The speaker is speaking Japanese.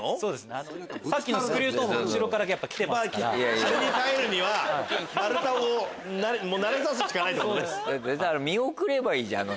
あれに耐えるには丸太を慣れさすしかないってことね。